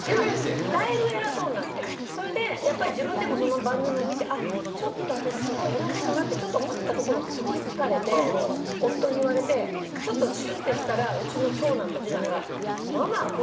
それでやっぱり自分でもその番組を見てちょっと私すごい偉そうだなってちょっと思ってたところをすごい突かれて夫に言われてちょっとシュンってしたらうちの長男と次男が。